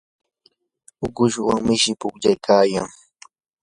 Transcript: ukushwan mishi pukllaykayan.